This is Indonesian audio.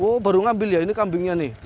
oh baru ngambil ya ini kambingnya nih